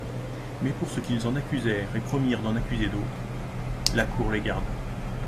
Mais pour ce qu'ils en accusèrent et promirent d'en accuser d'autres, la cour les garda.